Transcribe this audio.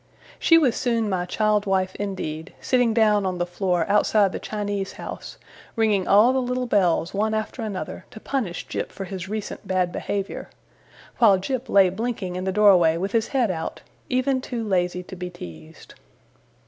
She was soon my child wife indeed; sitting down on the floor outside the Chinese House, ringing all the little bells one after another, to punish Jip for his recent bad behaviour; while Jip lay blinking in the doorway with his head out, even too lazy to be teased.